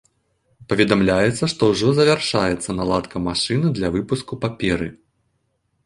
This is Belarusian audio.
Паведамляецца, што ўжо завяршаецца наладка машыны для выпуску паперы.